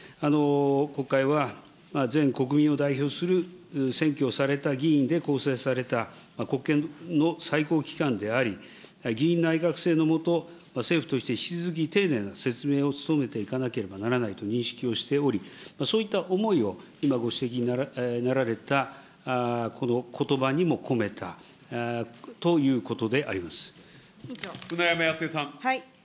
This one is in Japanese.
国会は全国民を代表する、選挙をされた議員で構成された国権の最高機関であり、議院内閣制の下、政府として引き続き丁寧な説明を努めていかなければならないと認識をしており、そういった思いを今ご指摘になられたこのことばにも込めたという舟山康江さん。